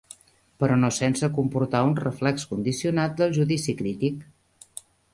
Però no sense comportar un reflex condicionat del judici crític.